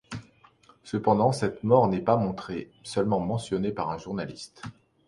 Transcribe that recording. Cependant cette mort n'est pas montrée, seulement mentionnée par un journaliste.